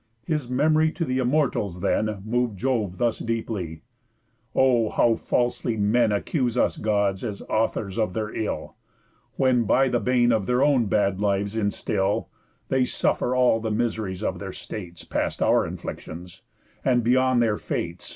His memory to the Immortals then Mov'd Jove thus deeply: "O how falsely men Accuse us Gods as authors of their ill! When, by the bane their own bad lives instill, They suffer all the mis'ries of their states, Past our inflictions, and beyond their fates.